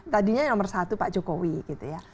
tadinya yang nomor satu pak jokowi gitu ya